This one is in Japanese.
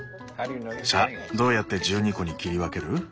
さあどうやって１２個に切り分ける？